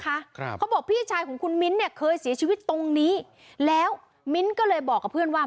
เขาบอกพี่ชายของคุณมิ้นท์เนี่ยเคยเสียชีวิตตรงนี้แล้วมิ้นท์ก็เลยบอกกับเพื่อนว่า